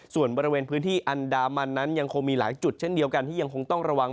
ส่วนบริเวณพื้นที่อันดามันนั้นยังคงมีหลายจุดเช่นเดียวกันที่ยังคงต้องระวัง